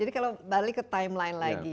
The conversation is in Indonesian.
jadi kalau balik ke timeline lagi